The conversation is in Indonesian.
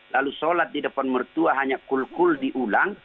lalu sholat di depan mertua hanya kul kul diulang